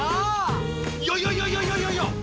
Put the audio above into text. いやいやいやいやいやいやいや！